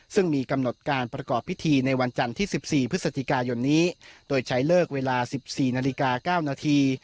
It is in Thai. ซึ่งมีกำหนดการประกอบพิธีในวันจันทร์ที่๑๔พฤศจิกายนนี้โดยใช้เลิกเวลา๑๔นาฬิกา๙นาที